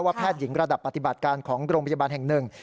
แพทย์หญิงระดับปฏิบัติการของโรงพยาบาลแห่งหนึ่ง